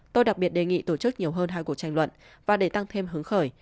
tôi đặc biệt đề nghị tổ chức nhiều hơn hai cuộc tranh luận và để tăng thêm hứng khởi